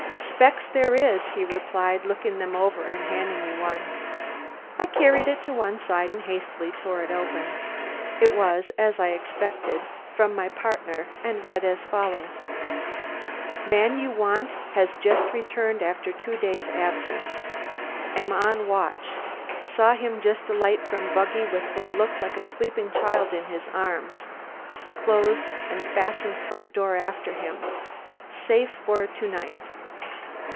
"Spec's there is," he replied, looking them over and handing me one. I carried it to one side and hastily tore it open. It was, as I expected, from my partner, and read as follows: Man you want has just returned after two days' absence. Am on watch. Saw him just alight from buggy with what looked like sleeping child in his arms. Closed and fastened front door after him. Safe for to night.